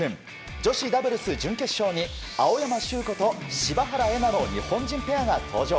女子ダブルス準決勝に青山修子と柴原瑛菜の日本人ペアが登場。